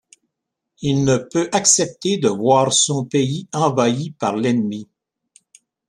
Il ne peut accepter de voir son pays envahi par l’ennemi.